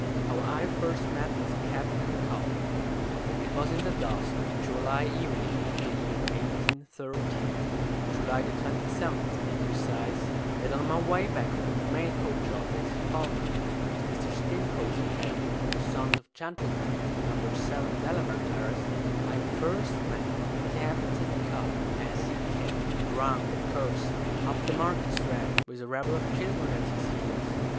HOW I FIRST MET WITH CAPTAIN COFFIN. It was in the dusk of a July evening of the year 1813 (July 27, to be precise) that on my way back from the mail coach office, Falmouth, to Mr. Stimcoe's Academy for the Sons of Gentlemen, No. 7, Delamere Terrace, I first met Captain Coffin as he came, drunk and cursing, up the Market Strand, with a rabble of children at his heels.